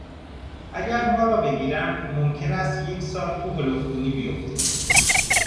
اگر ما را بگیرند ممکن است یک سال تو هلفدونی بیفتیم.